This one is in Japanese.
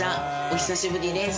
お久しぶりです。